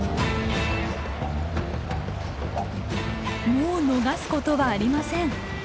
もう逃すことはありません。